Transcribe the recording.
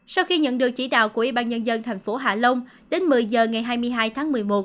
sau khi nhận được chỉ đạo của ủy ban nhân dân tp hạ long đến một mươi giờ ngày hai mươi hai tháng một mươi một